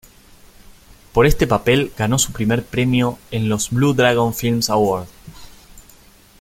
Por este papel ganó su primer premio en los Blue Dragon Film Awards.